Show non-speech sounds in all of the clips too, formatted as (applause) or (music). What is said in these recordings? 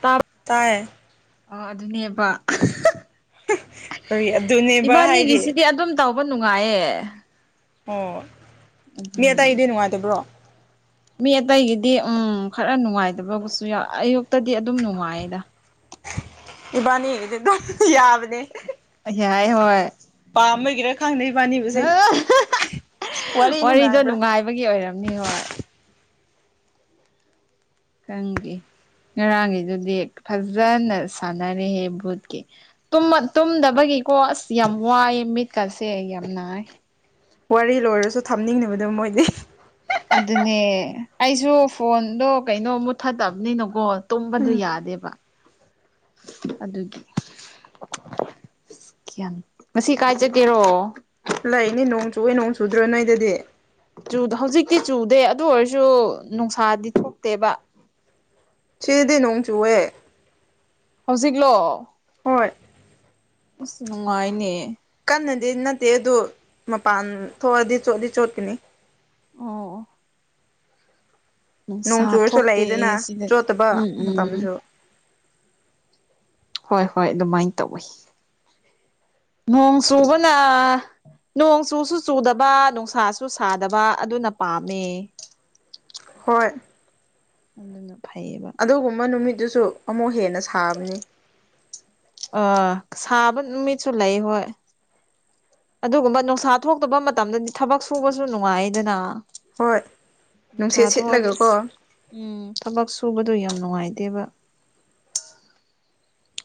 ꯇꯥꯞ ꯇꯥꯏꯌꯦ ꯑꯣ ꯑꯗꯨꯅꯦꯕ ꯀꯔꯤ ꯑꯗꯨꯅꯦꯕ ꯍꯥꯏꯗꯤ ꯏꯕꯥꯅꯤꯒꯤꯁꯤꯗꯤ ꯑꯗꯨꯝ ꯇꯧꯕ ꯅꯨꯡꯉꯥꯏꯌꯦ ꯑꯣ ꯃꯤ ꯑꯗꯨꯅꯦ ꯑꯇꯩꯗꯤ ꯅꯨꯡꯉꯥꯏꯇꯕ꯭ꯔꯣ ꯃꯤ ꯑꯇꯩꯒꯤꯗꯤ ꯎꯝ ꯈꯔ ꯅꯨꯡꯉꯥꯏꯇꯕꯕꯨꯁꯨ ꯌꯥꯎ ꯑꯌꯨꯛꯇꯗꯤ ꯑꯗꯨꯝ ꯅꯨꯡꯉꯥꯏꯌꯦꯗ ꯏꯕꯥꯅꯤꯒꯤꯗꯤ ꯑꯗꯨꯝ ꯌꯥꯕꯅꯦ ꯌꯥꯏ ꯍꯣꯏ ꯄꯥꯝꯕꯒꯤꯔ ꯈꯪꯗꯦ ꯏꯕꯥꯥꯅꯤ ꯍꯨꯖꯤꯛ ꯋꯥꯔꯤ ꯋꯥꯔꯤꯗꯣ ꯅꯨꯡꯉꯥꯏꯕ꯭ꯔꯥ ꯅꯨꯡꯉꯥꯏꯕꯒꯤ ꯑꯣꯏꯔꯝꯅꯤ ꯍꯣꯏ ꯈꯪꯗꯦ ꯉꯔꯥꯡꯒꯤꯗꯨꯗꯤ ꯐꯖꯅ ꯁꯥꯟꯅꯔꯦꯍꯦ ꯚꯨꯠꯀꯤ ꯇꯨꯝꯃ ꯇꯨꯝꯗꯕꯒꯤꯀꯣ ꯑꯁ ꯌꯥꯝ ꯋꯥꯏꯑ ꯃꯤꯠꯀꯁꯦ ꯌꯥꯝ ꯅꯥꯏ ꯋꯥꯔꯤ ꯂꯣꯏꯔꯁꯨ ꯊꯝꯅꯤꯡꯗꯕꯗꯣ ꯃꯣꯏꯗꯤ ꯑꯗꯨꯅꯦ ꯑꯩꯁꯨ ꯐꯣꯟꯗꯣ ꯀꯩꯅꯣ ꯃꯨꯠꯊꯗꯕꯅꯤꯅꯀꯣ ꯇꯨꯝꯕꯗꯨ ꯎꯝ ꯌꯥꯗꯦꯕ ꯑꯗꯨꯒꯤ ꯉꯁꯤ ꯀꯥꯏ ꯆꯠꯀꯦꯔꯣ ꯍꯜꯂꯛꯏꯅꯦ ꯅꯣꯡ ꯆꯨꯕꯒꯤ ꯅꯣꯡ ꯆꯨꯗ꯭ꯔꯣ ꯅꯣꯏꯗꯗꯤ ꯆꯨꯗ ꯍꯧꯖꯤꯛꯇꯤ ꯆꯨꯗꯦ ꯑꯗꯨ ꯑꯣꯏꯔꯁꯨ ꯅꯨꯡꯁꯥꯗꯤ ꯊꯣꯛꯇꯦꯕ ꯁꯤꯗꯗꯤ ꯅꯣꯡ ꯆꯨꯑꯦ ꯍꯧꯖꯤꯛꯂꯣ ꯍꯣꯏ ꯑꯁ ꯅꯨꯡꯉꯥꯏꯅꯦ ꯀꯟꯅꯗꯤ ꯅꯠꯇꯦ ꯑꯗꯨ ꯃꯄꯥꯟ ꯊꯣꯛꯑꯗꯤ ꯆꯣꯠꯂꯤ ꯆꯣꯠꯀꯅꯤ ꯑꯣ ꯅꯣꯡ ꯅꯨꯡꯁꯥ ꯆꯨꯔꯁꯨ ꯊꯣꯛꯇꯦ ꯂꯩꯏꯗꯅ ꯁꯤꯗꯗꯤ ꯆꯣꯠꯇꯕ ꯎꯝ ꯎꯝ ꯃꯇꯝꯁꯨ ꯍꯣꯏ ꯍꯣꯏ ꯑꯗꯨꯃꯥꯏꯅ ꯇꯧꯋꯤ ꯅꯣꯡ ꯆꯨꯕꯅ ꯅꯣꯡ ꯆꯨꯁꯨ ꯆꯨꯗꯕ ꯅꯨꯡꯁꯥꯁꯨ ꯁꯥꯗꯕ ꯑꯗꯨꯅ ꯄꯥꯝꯃꯦ ꯍꯣꯏ ꯑꯗꯨꯅ ꯐꯩꯌꯦꯕ ꯑꯗꯨꯒꯨꯝꯕ ꯅꯨꯃꯤꯠꯇꯨꯁꯨ ꯑꯃꯨꯛ ꯍꯦꯟꯅ ꯁꯥꯕꯅꯤ ꯑ ꯁꯥꯕ ꯅꯨꯃꯤꯠꯁꯨ ꯂꯩ ꯍꯣꯏ ꯑꯗꯨꯒꯨꯝꯕ ꯅꯨꯡꯁꯥ ꯊꯣꯛꯇꯕ ꯃꯇꯝꯗꯗꯤ ꯊꯕꯛ ꯁꯨꯕꯁꯨ ꯅꯨꯡꯉꯥꯏꯗꯅ ꯍꯣꯏ ꯅꯨꯡꯁꯥ ꯅꯨꯡꯁꯠ ꯊꯣꯛꯑꯗꯤ ꯁꯤꯠꯂꯒꯀꯣ ꯑꯁ ꯎꯝ ꯊꯕꯛ ꯁꯨꯕꯗꯣ ꯌꯥꯝ ꯅꯨꯡꯉꯥꯏꯇꯦꯕ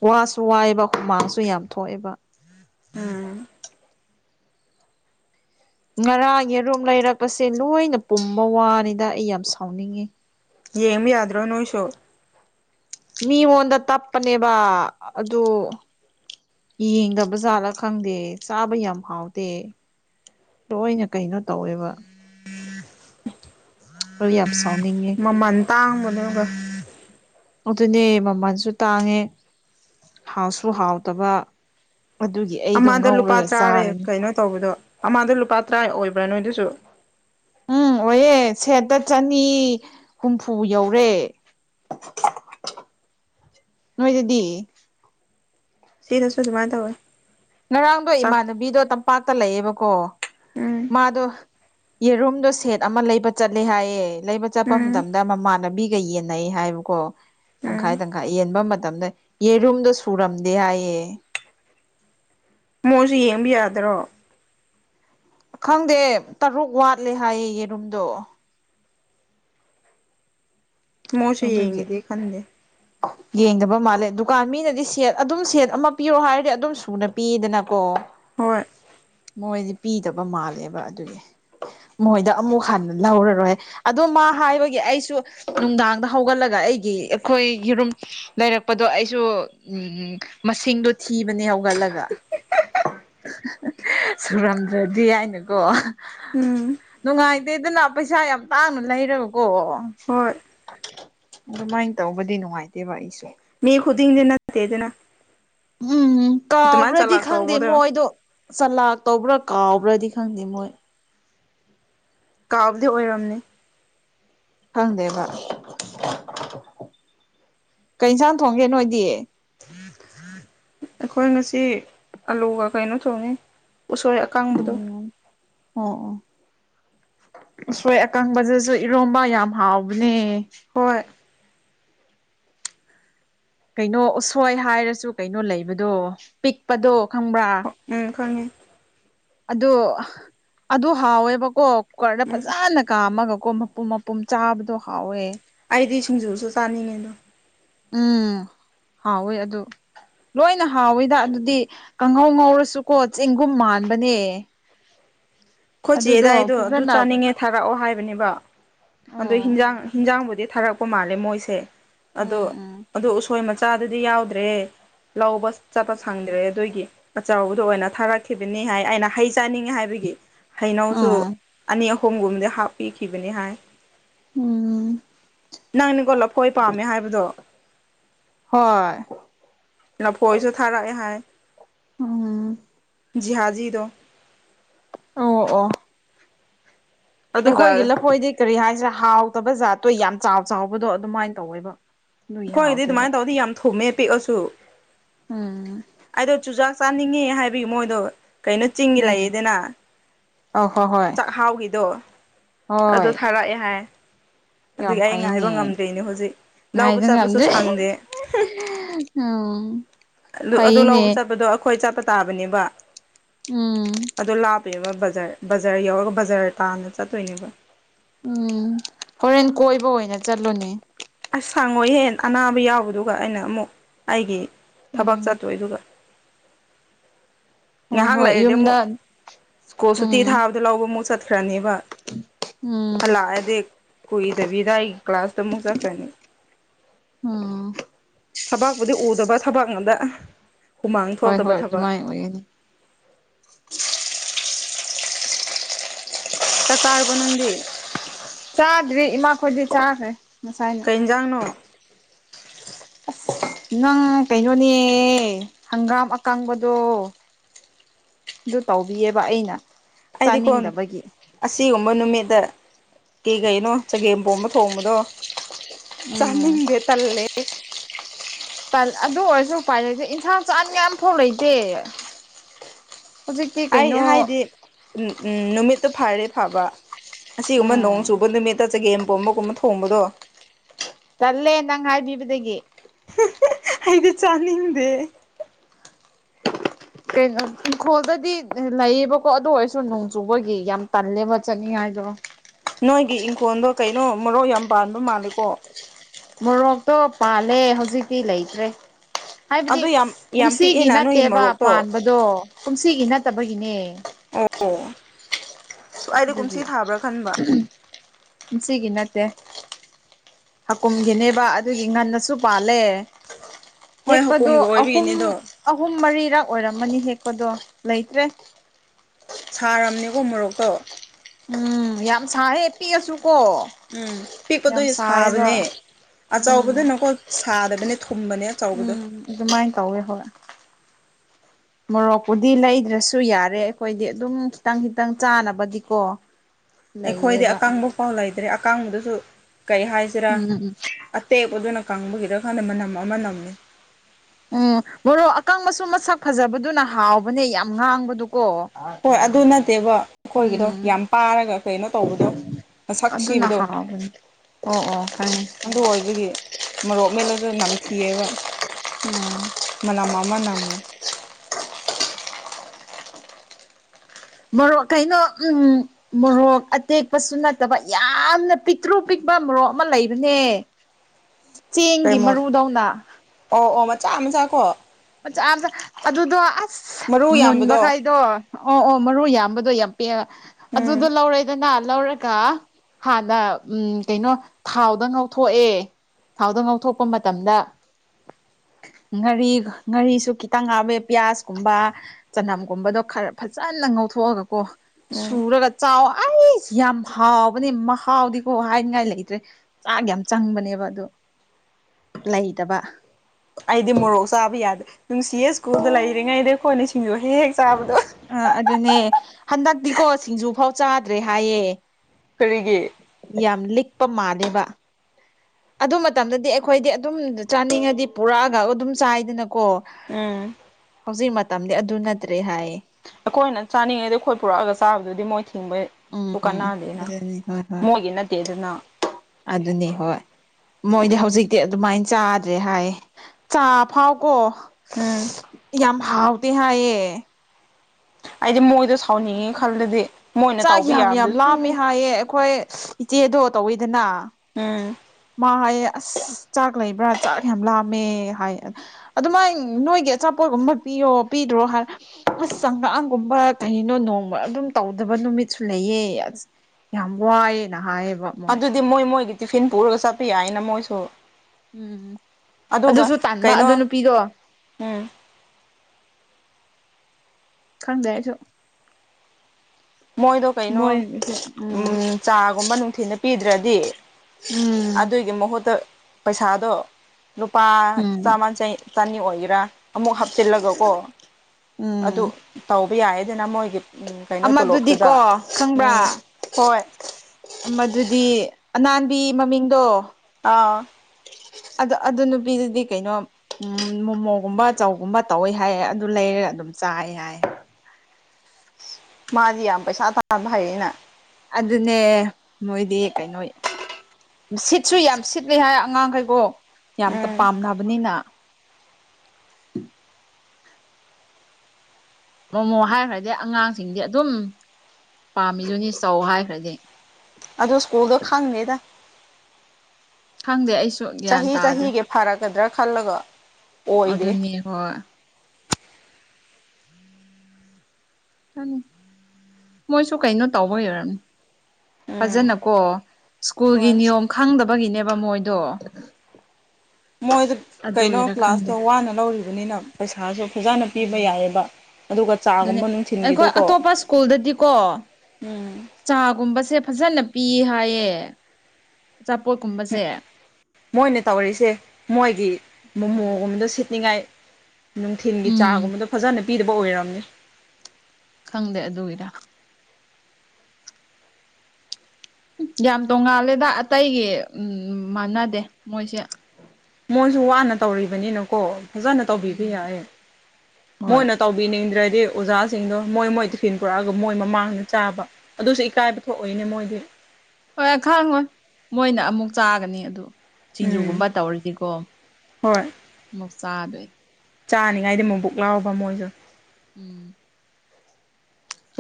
ꯋꯥꯁꯨ ꯋꯥꯏꯑꯦꯕ ꯍꯨꯃꯥꯡꯁꯨ ꯌꯥꯝ ꯊꯣꯛꯑꯦꯕ ꯎꯝ ꯉꯔꯥꯡ ꯌꯦꯔꯨꯝ ꯂꯩꯔꯛꯄꯁꯦ ꯂꯣꯏꯅ ꯄꯨꯝꯕ ꯋꯥꯅꯤꯗ ꯑꯩ ꯌꯥꯝ ꯁꯥꯎꯅꯤꯡꯉꯤ ꯌꯦꯃꯤ ꯌꯥꯗ꯭ꯔꯣ ꯅꯨ ꯁꯣ ꯃꯤꯉꯣꯟꯗ ꯇꯞꯄꯅꯦꯕ ꯑꯗꯨ ꯌꯦꯡꯗꯕꯖꯥꯠꯂꯥ ꯈꯪꯗꯦ ꯆꯥꯕ ꯌꯥꯝ ꯍꯥꯎꯇꯦ ꯂꯣꯏꯅ ꯀꯩꯅꯣ ꯇꯧꯋꯦꯕ ꯍꯣꯌ ꯌꯥꯝ ꯁꯥꯎꯅꯤꯡꯉꯦ ꯃꯃꯜ ꯇꯥꯡꯕꯅꯦꯒ ꯑꯗꯨꯅꯦ ꯃꯃꯜꯁꯨ ꯇꯥꯡꯉꯦ ꯍꯥꯎꯁꯨ ꯍꯥꯎꯇꯕ ꯑꯗꯨꯒꯤ ꯑꯩꯗꯣ ꯑꯃꯗ ꯂꯨꯄꯥ ꯉꯧꯔꯒ ꯇꯔꯥꯔꯦ ꯆꯥꯔꯅꯤ ꯀꯩꯅꯣ ꯇꯧꯕꯗꯣ ꯑꯃꯗ ꯂꯨꯄꯥ ꯇꯔꯥ ꯑꯣꯏꯕ꯭ꯔꯥ ꯅꯣꯏꯗꯨꯁꯨ ꯎꯝ ꯑꯣꯏꯌꯦꯦ ꯁꯦꯠꯇ ꯆꯅꯤ ꯍꯨꯝꯐꯨ ꯌꯧꯔꯦ ꯅꯣꯏ ꯑꯗꯨꯗꯤ ꯁꯤꯦꯁꯣ ꯃꯥꯏ ꯇꯕꯣꯏ ꯉꯔꯥꯡꯗꯣ ꯏꯃꯥꯟꯅꯕꯤꯗꯣ ꯇꯝꯄꯥꯛꯇ ꯂꯩꯌꯦꯦꯕꯀꯣ ꯎꯝ ꯃꯥꯗꯣ ꯌꯦꯔꯨꯝꯗꯣ ꯁꯦꯠ ꯑꯃ ꯂꯩꯕ ꯆꯠꯂꯦ ꯍꯥꯏꯌꯦ ꯂꯩꯕ ꯆꯠꯄ ꯎꯝ ꯃꯇꯝꯗ ꯃꯃꯥꯟꯅꯕꯤ ꯌꯦꯟꯅꯩ ꯍꯥꯏꯕꯀꯣ ꯇꯪꯈꯥꯏ ꯎꯝ ꯇꯪ ꯌꯦꯟꯕ ꯃꯇꯝꯗ ꯌꯦꯔꯨꯝꯗꯣ ꯁꯨꯔꯝꯗꯦ ꯍꯥꯏꯌꯦ ꯃꯣꯏꯁꯨ ꯌꯦꯡꯕ ꯌꯥꯗ꯭ꯔꯣ ꯈꯪꯗꯦ ꯇꯔꯨꯛ ꯋꯥꯠꯂꯦ ꯍꯥꯏꯌꯦꯌꯦ ꯔꯨꯝꯗꯣ ꯃꯣꯁꯨ ꯑꯗꯨꯒꯤ ꯌꯦꯡꯒꯦꯗꯤ ꯈꯟꯗꯦ (inaudible) ꯌꯦꯡꯗꯕ ꯃꯥꯜꯂꯦ ꯗꯨꯀꯥꯟ ꯃꯤꯅꯗꯤ ꯁꯦꯠ ꯑꯗꯨꯝ ꯁꯦꯠ ꯑꯃ ꯄꯤꯔꯣ ꯍꯥꯏꯔꯗꯤ ꯑꯗꯨꯝ ꯁꯨꯅ ꯄꯤꯌꯦꯗꯅꯀꯣ ꯍꯣꯏ ꯃꯣꯏꯗꯤ ꯄꯤꯗꯕ ꯃꯥꯜꯂꯦꯕ ꯑꯗꯨꯒꯤ ꯃꯣꯏꯗ ꯑꯃꯨꯛ ꯍꯟꯅ ꯂꯧꯔꯔꯣꯏ ꯑꯗꯣ ꯃꯥ ꯍꯥꯏꯕꯒꯤ ꯑꯩꯁꯨ ꯅꯨꯡꯗꯥꯡꯗ ꯍꯧꯒꯠꯂꯒ ꯑꯩꯒꯤ ꯑꯩꯈꯣꯏ ꯌꯦꯔꯨꯝ ꯂꯩꯔꯛꯄꯗꯣ ꯑꯩꯁꯨ ꯎꯝ ꯃꯁꯤꯡꯗꯣ ꯊꯤꯕꯅꯦ ꯍꯧꯒꯠꯂꯒ ꯁꯨꯔꯝꯗ꯭ꯔꯗꯤ ꯌꯥꯏꯅꯨꯀꯣ ꯎꯝ ꯅꯨꯡꯉꯥꯏꯇꯦ ꯑꯗꯨꯅ ꯄꯩꯁꯥ ꯌꯥꯝ ꯇꯥꯡꯅ ꯂꯩꯔꯕꯀꯣ ꯍꯣꯏ ꯑꯗꯨꯃꯥꯏꯅ ꯇꯧꯕꯗꯤ ꯅꯨꯡꯉꯥꯏꯇꯦꯕ ꯑꯩꯁꯨ ꯃꯤ ꯈꯨꯗꯅ ꯇꯗꯅ ꯎꯝ ꯀꯥꯎꯕ꯭ꯔꯗꯤ ꯆꯂꯥꯛ ꯈꯪꯗꯦ ꯇꯧꯕꯗꯣ ꯃꯣꯏꯗꯣ ꯆꯂꯥꯛ ꯇꯧꯕ꯭ꯔꯥ ꯀꯥꯎꯕ꯭ꯔꯗꯤ ꯈꯪꯗꯦ ꯃꯣꯏ ꯀꯥꯎꯕꯗꯤ ꯑꯣꯏꯔꯝꯅꯤ ꯈꯪꯗꯦꯕ ꯀꯩ ꯏꯟꯁꯥꯡ ꯊꯣꯡꯒꯦ ꯅꯣꯏꯗꯤ (inaudible) ꯑꯩꯈꯣꯏ ꯉꯁꯤ ꯑꯂꯨꯒ ꯀꯩꯅꯣ ꯊꯣꯡꯉꯦ ꯎꯁꯣꯏ ꯑꯀꯡꯕꯗꯣ ꯎꯝ ꯑꯣ ꯑꯣ ꯎꯁꯣꯏ ꯑꯀꯪꯕꯗꯨꯁꯨ ꯏꯔꯣꯝꯕ ꯌꯥꯝ ꯍꯥꯎꯕꯅꯦ ꯍꯣꯏ ꯀꯩꯅꯣ ꯎꯁꯣꯏ ꯍꯥꯏꯔꯁꯨ ꯀꯩꯅꯣ ꯂꯩꯕꯗꯣ ꯄꯤꯛꯄꯗꯣ ꯈꯪꯕ꯭ꯔꯥ ꯎꯝ ꯈꯪꯉꯦ ꯑꯗꯣ ꯑꯗꯣ ꯍꯥꯎꯋꯦꯕꯀꯣ ꯀꯨꯀꯔꯗ ꯎꯝ ꯐꯖꯅ ꯀꯥꯝꯃꯒꯀꯣ ꯃꯄꯨꯝ ꯃꯄꯨꯝ ꯆꯥꯕꯗꯣ ꯍꯥꯎꯋꯦ ꯑꯩꯗꯤ ꯁꯤꯡꯖꯨꯁꯨ ꯆꯥꯅꯤꯡꯉꯤꯗꯣ ꯎꯝ ꯍꯥꯎꯋꯦ ꯑꯗꯨ ꯂꯣꯏꯅ ꯍꯥꯎꯋꯤꯗ ꯑꯗꯨꯗꯤ ꯀꯥꯡꯍꯧ ꯉꯧꯔꯁꯨꯀꯣ ꯆꯦꯡꯒꯨꯝ ꯃꯥꯟꯕꯅꯦ ꯑꯈꯣꯏ ꯆꯦꯗ ꯑꯗꯨꯗꯣ ꯑꯩꯗꯣ ꯑꯗꯨ ꯐꯖꯅ ꯆꯥꯅꯤꯡꯉꯦ ꯊꯥꯔꯛꯑꯣ ꯍꯥꯏꯕꯅꯦꯕ ꯑꯗꯨ ꯎꯝ ꯍꯤꯟꯖꯥꯡ ꯍꯤꯟꯖꯥꯡꯕꯨꯗꯤ ꯊꯥꯔꯛꯄ ꯃꯥꯜꯂꯦ ꯃꯣꯏꯁꯦ ꯑꯗꯣ ꯎꯝ ꯑꯗꯨ ꯎꯁꯣꯏ ꯃꯆꯥꯗꯨꯗꯤ ꯌꯥꯎꯗ꯭ꯔꯦ ꯂꯧꯕ ꯆꯠꯄ ꯎꯝ ꯁꯪꯗ꯭ꯔꯦ ꯑꯗꯨꯒꯤ ꯑꯆꯧꯕꯗꯣ ꯑꯣꯏꯅ ꯊꯥꯔꯛꯈꯤꯕꯅꯤ ꯍꯥꯏ ꯑꯩꯅ ꯍꯩ ꯆꯥꯅꯤꯡꯉꯦ ꯍꯥꯏꯕꯒꯤ ꯍꯩꯅꯧꯁꯨ ꯎꯝ ꯎꯝ ꯑꯅꯤ ꯑꯍꯨꯝꯒꯨꯝꯕꯗꯤ ꯍꯥꯞꯄꯤꯈꯤꯕꯅꯤ ꯍꯥꯏ ꯎꯝ ꯅꯪꯅꯤꯀꯣ ꯂꯐꯣꯏ ꯄꯥꯝꯃꯦ ꯍꯥꯏꯕꯗꯣ ꯍꯣꯏ ꯂꯐꯣꯏꯁꯨ ꯊꯥꯔꯛꯑꯦ ꯍꯥꯏ ꯎꯝ ꯖꯤꯍꯥꯖꯤꯗꯣ ꯑꯣ ꯑꯣ ꯑꯗꯨꯒ ꯑꯩꯈꯣꯏꯒꯤ ꯂꯐꯣꯏꯗꯤ ꯀꯔꯤ ꯍꯥꯏꯁꯤꯔ ꯍꯥꯎꯇꯕ ꯖꯥꯠꯇꯣ ꯌꯥꯝ ꯆꯥꯎ ꯆꯥꯎꯕꯗꯣ ꯑꯗꯨꯃꯥꯏ ꯇꯧꯋꯦꯕ ꯑꯗꯨꯒꯤ ꯑꯩꯈꯣꯏꯗꯤ ꯍꯥꯎꯇꯦꯕ ꯑꯗꯨꯃꯥꯏꯅ ꯇꯧꯗꯦ ꯌꯥꯝ ꯊꯨꯝꯃꯦ ꯄꯤꯛꯑꯁꯨ ꯎꯝ ꯑꯩꯗꯣ ꯆꯨꯖꯥꯛ ꯆꯥꯅꯤꯡꯉꯦ ꯍꯥꯏꯕꯒꯤ ꯃꯣꯏꯗꯣ ꯀꯩꯅꯣ ꯆꯤꯡꯒꯤ ꯂꯩꯌꯦꯗꯅ ꯑꯧ ꯍꯣꯏ ꯍꯣꯏ ꯑꯍꯥꯎꯒꯤꯗꯣ ꯑꯗꯨ ꯍꯣꯏ ꯊꯥꯔꯛꯑꯦ ꯍꯥꯏ ꯌꯥꯝ ꯑꯗꯨꯒꯤ ꯑꯩ ꯉꯥꯏꯕ ꯐꯩꯅꯦ ꯉꯝꯗ꯭ꯔꯤꯅꯦ ꯍꯧꯖꯤꯛ ꯂꯧꯕ ꯉꯥꯏꯕ ꯆꯠꯄꯁꯨ ꯉꯝꯗ꯭ꯔꯦ ꯁꯪꯗꯦ ꯎꯝ ꯑꯗꯨ ꯑꯗꯨ ꯐꯩꯅꯦ ꯂꯧꯕ ꯆꯠꯄꯗꯣ ꯑꯩꯈꯣꯏ ꯆꯠꯄ ꯇꯥꯕꯅꯦꯕ ꯎꯝ ꯑꯗꯣ ꯂꯥꯞꯄꯦꯕ ꯕꯖꯥꯔ ꯕꯖꯥꯔ ꯌꯥꯎꯔꯒ ꯕꯖꯥꯔ ꯇꯥꯅ ꯆꯠꯇꯣꯏꯅꯦꯕ ꯎꯝ ꯍꯣꯔꯦꯟ ꯀꯣꯏꯕ ꯑꯣꯏꯅ ꯆꯠꯂꯨꯅꯦ ꯑꯁ ꯁꯪꯉꯣꯏ ꯍꯦꯟ ꯑꯅꯥꯕ ꯌꯥꯎꯕꯗꯨꯒ ꯑꯩꯅ ꯑꯃꯨꯛ ꯑꯩꯒꯤ ꯊꯕꯛ ꯎꯝ ꯆꯠꯇꯣꯏꯗꯨꯒ ꯍꯣꯏ ꯉꯥꯏꯍꯥꯛ ꯍꯣꯏ ꯂꯩꯔꯗꯤ ꯌꯨꯝꯗ ꯑꯃꯨꯛ ꯁ꯭ꯀꯨꯜ ꯁꯨꯇꯤ ꯎꯝ ꯊꯥꯕ ꯑꯗꯨ ꯂꯧꯕꯃꯨꯛ ꯆꯠꯈ꯭ꯔꯅꯦꯕ ꯎꯝ ꯍꯥꯜꯂꯥꯛꯑꯗꯤ ꯀꯨꯏꯗꯕꯤꯗꯥ ꯑꯩ ꯀ꯭ꯂꯥꯁꯇ ꯑꯃꯨꯛ ꯆꯠꯈ꯭ꯔꯅꯤ ꯑꯎꯝ ꯊꯕꯥꯛꯄꯨꯗꯤ ꯎꯗꯕ ꯊꯕꯥꯛ ꯉꯗ ꯍꯨꯃꯥꯡ ꯊꯣꯛꯇꯕ ꯊꯕꯛ ꯑꯣꯏꯔꯅꯤ ꯆꯥꯛ ꯆꯔꯥꯕꯣ ꯅꯡꯗꯤ ꯆꯥꯗ꯭ꯔꯤ ꯏꯃꯥꯈꯣꯏꯗꯤ ꯆꯥꯈ꯭ꯔꯦ ꯉꯁꯥꯏ ꯀꯩ ꯏꯟꯖꯥꯡꯅꯣ ꯅꯪ ꯀꯩꯅꯣꯅꯦ ꯍꯪꯒꯥꯝ ꯑꯀꯡꯕꯗꯣ ꯑꯗꯨ ꯇꯧꯕꯤꯌꯦꯕ ꯑꯩꯅ ꯑꯩꯗꯤꯀꯣꯟ ꯆꯥꯅꯤꯡꯗꯕꯒꯤ ꯑꯁꯤꯒꯨꯝꯕ ꯅꯨꯃꯤꯠꯇ ꯇꯤꯒꯩꯅꯣ ꯆꯒꯦꯝꯄꯣꯝꯕ ꯊꯣꯡꯕꯗꯣ ꯎꯝ ꯆꯥꯅꯤꯡꯗꯦ ꯇꯜꯂꯦ ꯑꯗꯨ ꯑꯣꯏꯔꯁꯨ ꯎꯄꯥꯏ ꯂꯩꯇꯦ ꯏꯟꯁꯥꯡ ꯆꯥꯟꯅꯤꯉꯥꯏ ꯑꯝꯐꯥꯎ ꯂꯩꯇꯦ ꯍꯧꯖꯤꯛꯇꯤ ꯑꯩ ꯀꯩꯅꯣ ꯍꯥꯏꯗꯤ ꯎꯝ ꯅꯨꯃꯤꯠꯇꯨ ꯐꯔꯗꯤ ꯐꯕ ꯑꯁꯤꯒꯨꯝꯕ ꯅꯣꯡ ꯎꯝ ꯆꯨꯕ ꯅꯨꯃꯤꯠ ꯇ ꯆꯒꯦꯝ ꯄꯣꯝꯕꯒꯨꯝꯕ ꯊꯣꯡꯕꯗꯣ ꯇꯜꯂꯦ ꯅꯪ ꯍꯥꯏꯕꯤꯕꯗꯒꯤ ꯑꯩꯗꯤ ꯆꯥꯅꯤꯡꯗꯦ ꯀꯩꯅꯣ ꯏꯪꯈꯣꯜꯗꯗꯤ ꯂꯩꯌꯦꯕꯀꯣ ꯑꯗꯨ ꯑꯣꯏꯔꯁꯨ ꯅꯣꯡ ꯆꯨꯕꯒꯤ ꯌꯥꯝ ꯇꯜꯂꯦꯕ ꯆꯠꯅꯤꯡꯉꯥꯏꯗꯣ ꯅꯣꯏꯒꯤ ꯏꯪꯈꯣꯜꯗꯣ ꯀꯩꯅꯣ ꯃꯣꯔꯣꯛ ꯌꯥꯝ ꯄꯥꯟꯕ ꯃꯥꯜꯂꯦꯀꯣ ꯃꯣꯔꯣꯛꯇꯣ ꯄꯥꯜꯂꯦ ꯍꯧꯖꯤꯛꯇꯤ ꯂꯩꯇ꯭ꯔꯦ ꯍꯥꯏꯕꯗꯤ ꯑꯗꯨ ꯌꯥꯝ ꯌꯥꯝ ꯀꯨꯝꯁꯤꯒꯤ ꯄꯤꯛꯑꯦꯅ ꯅꯣꯏꯒꯤ ꯅꯠꯇꯦꯕ ꯃꯣꯔꯣꯛꯇꯣ ꯄꯥꯟꯕꯗꯣ ꯀꯨꯝꯁꯤꯒꯤ ꯅꯠꯇꯕꯒꯤꯅꯦ ꯑꯣ ꯑꯩꯗꯤ ꯑꯗꯨꯒꯤ ꯀꯨꯝꯁꯤ ꯊꯥꯕ꯭ꯔꯥ ꯈꯟꯕ ꯀꯨꯝꯁꯤꯒꯤ ꯅꯠꯇꯦ ꯍꯀꯨꯝꯒꯤꯅꯦꯕ ꯑꯗꯨꯒꯤ ꯉꯟꯅꯁꯨ ꯄꯥꯜꯂꯦ ꯍꯣꯏ ꯍꯦꯛꯄꯗꯣ ꯍꯀꯨꯝꯒꯤ ꯑꯍꯨꯝ ꯑꯣꯏꯕꯒꯤꯅꯤꯗꯣ ꯑꯍꯨꯝ ꯃꯔꯤꯔꯛ ꯑꯣꯏꯔꯝꯃꯅꯤ ꯍꯦꯛꯄꯗꯣ ꯂꯩꯇ꯭ꯔꯦ ꯁꯥꯔꯕꯅꯦꯀꯣ ꯃꯣꯔꯣꯛꯇꯣ ꯎꯝ ꯌꯥꯝ ꯁꯥꯔꯦ ꯄꯤꯛꯑꯁꯨ ꯀꯣ ꯎꯝ ꯄꯤꯛꯄꯗ ꯁꯥꯕꯅꯦ ꯎꯝ ꯑꯆꯕꯗ ꯅꯀꯣ ꯁꯥꯗꯕꯅꯦ ꯊꯨꯝꯕꯅꯦ ꯑꯆꯧꯕꯗꯣ ꯎꯝ ꯑꯗꯨꯃꯥꯏꯅ ꯇꯧꯋꯦ ꯍꯣꯔ ꯃꯣꯔꯣꯛꯄꯨꯗꯤ ꯂꯩꯗ꯭ꯔꯁꯨ ꯌꯥꯔꯦ ꯑꯩꯈꯣꯏꯗꯤ ꯑꯗꯨꯝ ꯈꯤꯇꯪ ꯈꯤꯇꯪ ꯆꯥꯅꯕꯗꯤꯀꯣ (inaudible) ꯑꯩꯈꯣꯏꯗꯤ ꯑꯀꯥꯡꯕ ꯄꯥꯎ ꯂꯩꯇ꯭ꯔꯦ ꯑꯀꯥꯡꯕꯗꯨꯁꯨ ꯀꯩ ꯍꯥꯏꯁꯤꯔꯥ ꯎꯝ ꯎꯝ ꯑꯇꯦꯛꯄꯗꯨꯅ ꯀꯪꯕꯒꯤꯔ ꯀꯥꯟꯗ ꯃꯅꯝ ꯑꯃ ꯅꯝꯃꯤ ꯎꯝ ꯃꯣꯔꯣꯛ ꯑꯀꯪꯕꯁꯨ ꯃꯁꯛ ꯐꯖꯕꯗꯨꯅ ꯍꯥꯎꯕꯅꯦ ꯌꯥꯝ ꯉꯥꯡꯕꯗꯨꯀꯣ ꯍꯣꯏ ꯑꯗꯨ ꯅꯠꯇꯦꯕ ꯑꯩꯈꯣꯏꯒꯤꯗꯣ ꯎꯝ ꯌꯥꯝ ꯄꯥꯔꯒ ꯀꯩꯅꯣ ꯇꯧꯕꯗꯣ ꯃꯁꯛ ꯑꯗꯨꯅ ꯊꯤꯕꯗꯣ ꯍꯥꯡꯕꯅꯤ ꯑꯣ ꯑꯣ ꯐꯪꯉ ꯑꯗꯨ ꯑꯣꯏꯕꯒꯤ ꯃꯣꯔꯣꯛ ꯃꯦꯠꯂꯁꯨ ꯅꯝꯊꯤꯑꯦꯕ ꯎꯝ ꯃꯥꯃ ꯃ ꯅꯅꯥꯝꯨ ꯃꯔ ꯀꯩꯅꯣ ꯎꯝ ꯃꯣꯔꯣꯛ ꯑꯇꯦꯛꯄꯁꯨ ꯅꯠꯇꯕ ꯌꯥꯝꯅ ꯄꯤꯛꯇ꯭ꯔꯨ ꯄꯤꯛꯄ ꯃꯣꯔꯣꯛ ꯑꯃ ꯂꯩꯕꯅꯦ ꯀꯩ ꯆꯦꯡꯒꯤ ꯃꯣꯔꯣꯛ ꯃꯔꯨꯗꯧꯅ ꯑꯣ ꯑꯣ ꯃꯆꯥ ꯃꯆꯥ ꯀꯣ ꯃꯆꯥ ꯑꯃꯆꯥ ꯑꯗꯨꯗꯣ ꯑꯁ ꯃꯔꯨ ꯌꯥꯝꯕꯗꯣ ꯃꯨꯟꯕꯈꯥꯏꯗꯣ ꯑꯣ ꯑꯣ ꯃꯔꯨ ꯌꯥꯝꯕꯗꯣ ꯌꯥꯝ ꯄꯦꯛꯕ ꯎꯝ ꯑꯗꯨꯗꯣ ꯂꯧꯔꯦꯗꯅ ꯂꯧꯔ ꯀ ꯍꯥꯟꯅ ꯎꯝ ꯀꯩꯅꯣ ꯊꯥꯎꯗ ꯉꯧꯊꯣꯛꯑꯦ ꯊꯥꯎꯗ ꯉꯥꯎꯊꯣꯛꯄ ꯃꯇꯝꯗ ꯉꯥꯔꯤ ꯉꯥꯔꯤꯁꯨ ꯈꯤꯇꯪ ꯉꯥꯕꯦ ꯄꯤꯌꯥꯁꯀꯨꯝꯕ ꯆꯅꯝꯒꯨꯝꯕꯗꯣ ꯈꯔ ꯐꯖꯅ ꯉꯧꯊꯣꯛꯑꯒꯀꯣ ꯎꯝ ꯁꯨꯔꯒ ꯆꯥꯎ ꯑꯩꯁ ꯌꯥꯝ ꯍꯥꯎꯕꯅꯦ ꯃꯍꯥꯎꯗꯤꯀꯣ ꯍꯥꯏꯅꯤꯡꯉꯥꯏ ꯂꯩꯇ꯭ꯔꯦ ꯆꯥꯛ ꯌꯥꯝ ꯆꯪꯕꯅꯦꯕ ꯑꯗꯨ ꯂꯩꯇꯕ ꯑꯩꯗꯤ ꯃꯣꯔꯣꯛ ꯆꯥꯕ ꯌꯥꯗꯦ ꯅꯨꯡꯁꯤꯌꯦ ꯁ꯭ꯀꯨꯜꯗ ꯂꯩꯔꯤꯉꯩꯗ ꯑꯩꯈꯣꯏꯅ ꯁꯤꯡꯖꯨ ꯍꯦꯛ ꯍꯦꯛ ꯆꯥꯕꯗꯣ ꯑꯥ ꯑꯗꯨꯅꯦ ꯍꯟꯗꯛꯇꯤꯀꯣ ꯁꯤꯡꯖꯨ ꯐꯥꯎ ꯆꯥꯗ꯭ꯔꯦ ꯍꯥꯏꯌꯦ ꯀꯔꯤꯒꯤ ꯌꯥꯝ ꯂꯤꯛꯄ ꯃꯥꯜꯂꯦꯕ ꯑꯗꯨ ꯃꯇꯝꯗꯗꯤ ꯑꯩꯈꯣꯏꯗꯤ ꯑꯗꯨꯝ ꯆꯥꯅꯤꯡꯉꯗꯤ ꯄꯨꯔꯛꯑꯒ ꯑꯗꯨꯝ ꯆꯥꯏꯗꯅꯀꯣ ꯎꯝ ꯍꯧꯖꯤꯛ ꯃꯇꯝꯗꯤ ꯑꯗꯨ ꯅꯠꯇ꯭ꯔꯦ ꯍꯥꯏꯌꯦ ꯑꯩꯈꯣꯏꯅ ꯆꯥꯅꯤꯡꯉꯩꯗ ꯑꯩꯈꯣꯏ ꯄꯨꯔꯛꯑꯒ ꯆꯥꯕꯗꯨꯗꯤ ꯃꯣꯏ ꯊꯤꯡꯕꯩ ꯁꯨ ꯎꯝ ꯎꯝ ꯀꯅꯥꯗꯦꯅ ꯑꯗꯨꯅꯤ ꯍꯣꯏ ꯍꯣꯏ ꯃꯣꯏꯒꯤ ꯅꯠꯇꯦꯗꯅ ꯑꯗꯨꯅꯤ ꯍꯣꯏ ꯃꯣꯏꯗꯤ ꯍꯧꯖꯤꯛꯇꯤ ꯑꯗꯨꯃꯥꯏꯅ ꯆꯥꯗ꯭ꯔꯦ ꯍꯥꯏ ꯆꯥ ꯐꯥꯎꯀꯣ ꯎꯝ ꯌꯥꯝ ꯍꯥꯎꯇꯦ ꯍꯥꯏꯌꯦ ꯑꯩꯗꯤ ꯃꯨꯗ ꯆꯥꯛ ꯌꯥꯝ ꯌꯥꯝ ꯂꯥꯝꯃꯦ ꯌꯥꯕꯗꯨꯁꯨ ꯍꯥꯏꯌꯦ ꯑꯩꯈꯣꯏ ꯏꯆꯦꯗꯣ ꯇꯧꯋꯤꯗꯅ ꯎꯝ ꯃꯥ ꯍꯥꯏꯌꯦ ꯑꯁ ꯆꯥꯛ ꯂꯩꯕ꯭ꯔꯥ ꯆꯥꯛ ꯌꯥꯝ ꯂꯥꯝꯃꯦ ꯍꯥꯏ ꯑꯗꯨꯃꯥꯏꯅ ꯅꯣꯏꯒꯤ ꯑꯆꯥꯄꯣꯠꯒꯨꯝꯕ ꯄꯤꯌꯣ ꯄꯤꯗ꯭ꯔꯣ ꯍꯥꯏ ꯑꯁ ꯆꯪꯒꯥꯥꯡꯒꯨꯝꯕ ꯀꯅꯣ ꯅꯣꯡꯃ ꯑꯗꯨꯝ ꯇꯧꯗꯕ ꯅꯨꯃꯤꯠꯁꯨ ꯂꯩꯌꯦ ꯑ ꯌꯥꯝ ꯋꯥꯏꯑꯦꯅꯥ ꯍꯥꯏ ꯑꯗꯨꯗꯤ ꯃꯣꯏ ꯃꯣꯏꯒꯤ ꯇꯤꯐꯤꯟ ꯄꯨꯔꯒ ꯆꯠꯄꯤ ꯌꯥ ꯍꯥꯏꯅ ꯃꯣꯏꯁꯨ ꯎꯝ ꯑꯗꯨꯒ ꯑꯗꯨꯁꯨ ꯇꯥꯟꯕ ꯑꯗ ꯀꯩꯅꯣ ꯅꯨꯄꯤꯗꯣ ꯎꯝ ꯈꯪꯗꯦ ꯑꯩꯁꯨ ꯃꯣꯏꯗꯣ ꯀꯩꯅꯣ ꯃꯣꯏꯒꯤꯁꯨ ꯎꯝ ꯆꯥꯒꯨꯝꯕ ꯅꯨꯡꯊꯤꯗ ꯄꯤꯗ꯭ꯔꯗꯤ ꯎꯝ ꯑꯗꯨꯒꯤ ꯃꯍꯨꯠꯇ ꯄꯩꯁꯥꯗꯣ ꯂꯨꯄꯥ ꯎꯝ ꯆꯥꯃ ꯆꯅꯤ ꯑꯣꯏꯒꯦꯔꯥ ꯑꯃꯨꯛ ꯍꯥꯞꯆꯤꯜꯂꯒꯀꯣ ꯑꯗꯨ ꯎꯝ ꯇꯧꯕ ꯌꯥꯏ ꯑꯗꯨꯅ ꯃꯣꯏꯒꯤ ꯀꯩꯅꯣ ꯑꯃꯗꯨꯗꯤꯀꯣ ꯇꯣꯂꯣꯞꯇꯨꯗ ꯈꯪꯕ꯭ꯔꯥ ꯎꯝ ꯍꯣꯏ ꯃꯗꯨꯗꯤ ꯑꯅꯥꯟꯕꯤ ꯃꯃꯤꯡꯗꯣ ꯑꯥ ꯑꯗꯣ ꯑꯗꯨ ꯅꯨꯄꯤꯗꯨꯗꯤ ꯀꯩꯅꯣ ꯎꯝ ꯃꯣꯃꯣꯒꯨꯝꯕ ꯆꯧꯒꯨꯝꯕ ꯇꯧꯋꯦ ꯍꯥꯏꯌꯦ ꯑꯗꯨ ꯂꯩꯔꯦ ꯑꯗꯨꯝ ꯆꯥꯏ ꯍꯥꯏ ꯃꯥꯗꯤ ꯌꯥꯝ ꯄꯩꯁꯥ ꯇꯥꯥꯟꯕ ꯍꯥꯏꯌꯦꯩꯅ ꯑꯗꯨꯅꯦ ꯃꯣꯏꯗꯤ ꯀꯩꯅꯣ ꯁꯤꯠꯁꯨ ꯌꯥꯝ ꯁꯤꯠꯂꯦ ꯍꯥꯏ ꯑꯉꯥꯡꯈꯩꯀꯣ ꯌꯥꯝꯇ ꯎꯝ ꯄꯥꯝꯅꯕꯅꯤꯅ (inaudible) ꯃꯣꯃꯣ ꯍꯥꯏꯈ꯭ꯔꯗꯤ ꯑꯉꯥꯡꯁꯤꯡꯗꯤ ꯑꯗꯨꯝ ꯄꯥꯝꯃꯤꯗꯨꯅꯤ ꯆꯧ ꯍꯥꯏꯈ꯭ꯔꯗꯤ ꯑꯗꯣ ꯁ꯭ꯀꯨꯜꯗ ꯈꯪꯅꯦꯗ ꯈꯪꯗꯦ ꯑꯩꯁꯨ ꯒ꯭ꯌꯥꯟ ꯆꯍꯤ ꯇꯥꯗꯦ ꯆꯍꯤꯒꯤ ꯐꯔꯛꯀꯗ꯭ꯔꯥ ꯈꯜꯂꯒ ꯑꯣꯏꯗꯦ ꯑꯗꯨꯅꯦ ꯍꯣꯏ ꯃꯣꯏꯁꯨ ꯀꯩꯅꯣ ꯇꯧꯕ ꯑꯣꯏꯔꯝꯅꯤ ꯎꯝ ꯐꯖꯅꯀꯣ ꯁ꯭ꯀꯨꯜꯒꯤ ꯍꯣꯏ ꯅꯤꯌꯣꯝ ꯈꯪꯗꯕꯒꯤꯅꯦꯕ ꯃꯣꯏꯗꯣ ꯃꯣꯏꯗ ꯀꯩꯅꯣ ꯑꯗꯨꯒꯤꯔ ꯀ꯭ꯂꯥꯁꯇꯣ ꯈꯪꯗꯦ ꯋꯥꯅ ꯂꯧꯔꯤꯕꯅꯤꯅ ꯄꯩꯁꯥꯁꯨ ꯐꯖꯅ ꯄꯤꯕ ꯎꯝ ꯌꯥꯏꯑꯕ ꯑꯗꯨꯒ ꯑꯗꯨꯅꯦ ꯆꯥꯒꯨꯝꯕ ꯑꯩꯈꯣꯏ ꯅꯨꯡꯊꯤꯟꯒꯤꯗꯣꯀꯣ ꯑꯇꯣꯞꯄ ꯁ꯭ꯀꯨꯜꯗꯗꯤꯀꯣ ꯎꯝ ꯆꯥꯒꯨꯝꯕꯁꯦ ꯐꯖꯅ ꯄꯤ ꯍꯥꯏꯌꯦ ꯑꯆꯥꯄꯣꯠꯀꯨꯝꯕꯁꯦ ꯃꯣꯏꯅ ꯇꯧꯔꯤꯁꯦ ꯃꯣꯏꯒꯤ ꯎꯝ ꯃꯣꯃꯣꯒꯨꯝꯗꯣ ꯁꯤꯠꯅꯤꯡꯉꯥꯏ ꯅꯨꯡꯊꯤꯟꯒꯤ ꯎꯝ ꯆꯥꯒꯨꯝꯕꯗꯣ ꯐꯖꯅ ꯄꯤꯗꯕ ꯑꯣꯏꯔꯝꯅꯤ ꯈꯪꯗꯦ ꯑꯗꯨꯒꯤꯔꯥ ꯌꯥꯝ ꯇꯣꯡꯉꯥꯜꯂꯦꯗ ꯑꯇꯩꯒꯤ ꯎꯝ ꯃꯥꯟꯅꯗꯦ ꯃꯣꯏꯁꯦ ꯃꯣꯏꯁꯨ ꯋꯥꯅ ꯇꯧꯔꯤꯕꯅꯤꯅꯀꯣ ꯐꯖꯅ ꯇꯧꯕꯤꯕ ꯎꯝ ꯌꯥꯏ ꯍꯣꯏ ꯃꯣꯏꯅ ꯇꯧꯕꯤꯅꯤꯡꯗ꯭ꯔꯗꯤ ꯑꯣꯖꯥꯁꯤꯡꯗꯣ ꯃꯣꯏ ꯃꯣꯏ ꯇꯤꯐꯤꯟ ꯄꯨꯔꯛꯑꯒ ꯃꯣꯏ ꯃꯃꯥꯡꯗ ꯆꯥꯕ ꯑꯗꯨꯁꯨ ꯏꯀꯥꯏꯕ ꯊꯣꯛꯑꯣꯏꯅꯦ ꯃꯣꯏꯗꯤ ꯍꯣꯏ ꯈꯪꯉꯣꯏ ꯃꯣꯏꯅ ꯑꯃꯨꯛ ꯆꯥꯒꯅꯤ ꯑꯗꯨ ꯁꯤꯡꯖꯨꯒꯨꯝꯕ ꯎꯝ ꯇꯧꯔꯗꯤꯀꯣ ꯑꯃꯨꯛ ꯆꯥꯗꯣꯏ ꯆꯥꯅꯤꯉꯥꯏꯗ ꯃꯕꯨꯛ ꯂꯥꯎꯕ ꯃꯣꯏꯗꯣ ꯎꯝ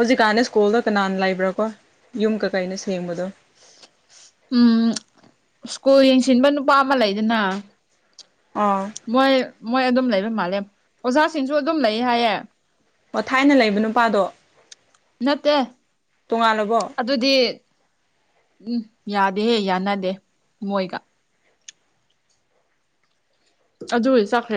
ꯍꯧꯖꯤꯛꯀꯥꯟꯅ ꯁ꯭ꯀꯨꯜꯗ ꯀꯅꯥꯅ ꯂꯩꯕ꯭ꯔꯥꯀꯣ ꯌꯨꯝ ꯀꯀꯩꯅ ꯁꯦꯡꯕꯗꯣ ꯎꯝ ꯁ꯭ꯀꯨꯜ ꯌꯦꯡꯁꯤꯟꯕ ꯅꯨꯄꯥ ꯑꯃ ꯂꯩꯗꯅ ꯑꯥ ꯃꯣꯏ ꯃꯣꯏ ꯑꯗꯨꯝ ꯂꯩꯕ ꯃꯥꯜꯂꯦ ꯑꯣꯖꯥꯁꯤꯡꯁꯨ ꯑꯗꯨꯝ ꯂꯩ ꯍꯥꯏꯌꯦ ꯑꯣ ꯊꯥꯏꯅ ꯂꯩꯕ ꯅꯨꯄꯥꯗꯣ ꯅꯠꯇꯦ ꯇꯣꯉꯥꯜꯂꯕꯣ ꯑꯗꯨꯗꯤ ꯎꯝ ꯌꯥꯗꯦꯍꯦ ꯌꯥꯅꯗꯦ ꯃꯣꯏꯒ ꯑꯗꯨꯏ ꯆꯈ꯭ꯔꯦ